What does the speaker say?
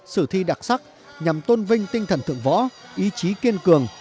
sử thi đặc sắc nhằm tôn vinh tinh thần thượng võ ý chí kiên cường